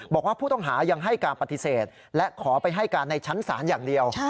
บอกว่าผู้ต้องหายังให้การปฏิเสธและขอไปให้การในชั้นศาลอย่างเดียว